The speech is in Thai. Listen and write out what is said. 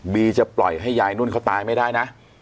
จะปล่อยให้ยายนุ่นเขาตายไม่ได้นะ